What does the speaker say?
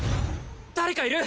誰かいる！